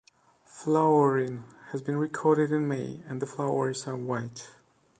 Flowering has been recorded in May and the flowers are white.